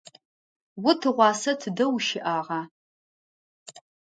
О тыгъуасэ тыдэ ущыӏагъа?